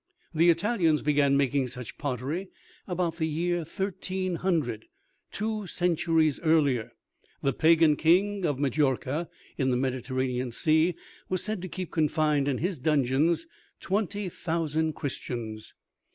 The Italians began making such pottery about the year 1300. Two centuries earlier, the Pagan King of Majorca, in the Mediterranean Sea, was said to keep confined in his dungeons twenty thousand Christians.